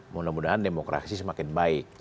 mudah mudahan demokrasi semakin baik